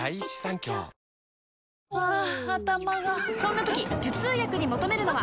ハァ頭がそんな時頭痛薬に求めるのは？